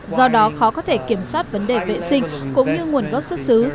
do đó khó có thể kiểm soát vấn đề vệ sinh cũng như nguồn gốc xuất xứ